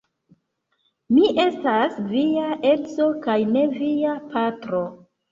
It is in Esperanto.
Mi estas via edzo kaj ne via patro.